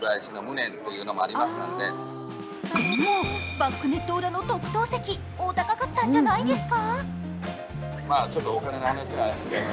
でも、バックネット裏の特等席、お高かったんじゃないですか？